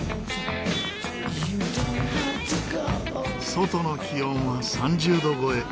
外の気温は３０度超え。